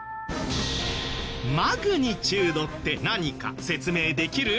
マグニチュードって何か説明できる？